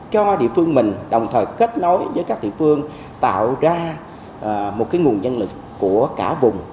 cho địa phương mình đồng thời kết nối với các địa phương tạo ra một nguồn nhân lực của cả vùng